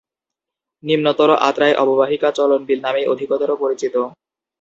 নিম্নতর আত্রাই অববাহিকা চলন বিল নামেই অধিকতর পরিচিত।